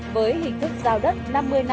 với hình thức giao đất năm mươi năm